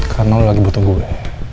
karena lo lagi butuh gue